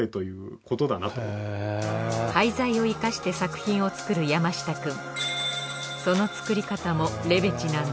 廃材を活かして作品を作る山下くん。